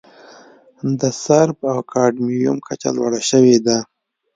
د سرب او کاډمیوم کچه لوړه شوې ده.